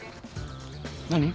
何？